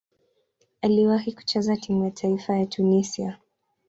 Aliwahi kucheza timu ya taifa ya Tunisia.